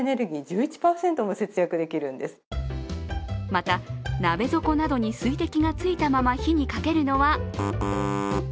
また、鍋底などに水滴がついたまま火にかけるのはＮＧ。